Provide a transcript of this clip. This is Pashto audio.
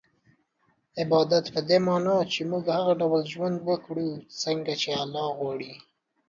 عبادت په دې مانا چي موږ هغه ډول ژوند وکړو څنګه چي الله غواړي